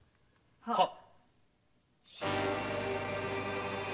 はっ！